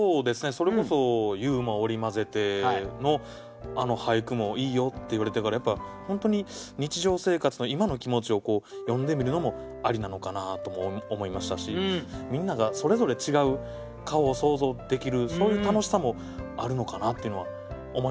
それこそユーモアを織り交ぜてのあの俳句もいいよって言われてからやっぱ本当に日常生活の今の気持ちを詠んでみるのもありなのかなとも思いましたしみんながそれぞれ違う顔を想像できるそういう楽しさもあるのかなっていうのは思いましたね。